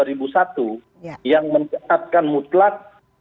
kita ingin mengikatkan mutlak